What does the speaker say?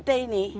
dan tujuh t ini